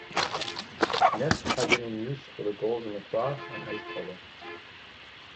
Nets had been in use for the goals in lacrosse and ice polo.